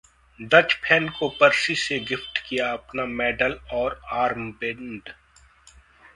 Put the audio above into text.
Dutch fan को Percy ने gift किया अपना मेडल और आर्मबैंड